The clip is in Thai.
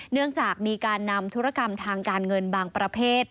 เนื่องจากมีการนำธุรกรรมทางการเงินบางประเภท